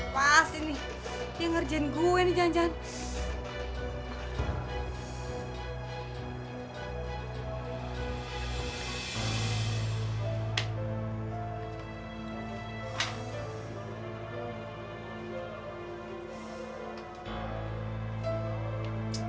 pas ini dia ngerjain gue nih jangan jangan